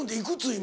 今。